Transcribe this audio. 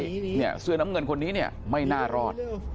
อะไรอย่างนี้สื่อน้ำเงินอยู่กันนี้ไม่น่ารอด